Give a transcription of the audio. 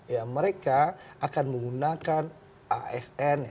ya mereka akan menggunakan asn